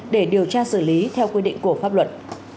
để điều tra xử lý theo quy định của pháp luật